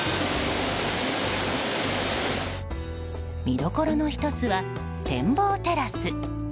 見どころの１つは展望テラス。